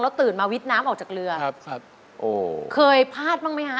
ตื่นมาวิทย์น้ำออกจากเรือครับครับโอ้เคยพลาดบ้างไหมฮะ